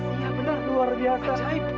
iya benar luar biasa